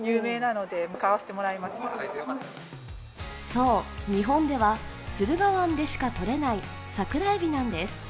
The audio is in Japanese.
そう、日本では駿河湾でしかとれない桜えびなんです。